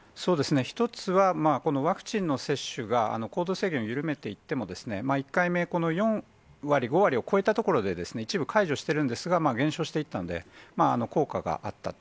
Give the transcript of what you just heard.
一つは、このワクチンの接種が、行動制限を緩めていっても、１回目、この４割、５割を超えたところで、一部解除してるんですが、減少していったんで、効果があったと。